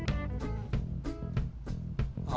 あ。